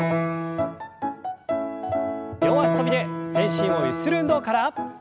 両脚跳びで全身をゆする運動から。